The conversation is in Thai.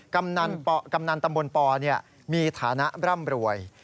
กำนันตำบลปมีฐานะร่ำรวย